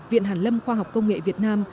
viện hàn lâm khoa học công nghệ việt nam